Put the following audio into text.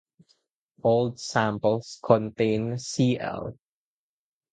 Old samples contain Cl.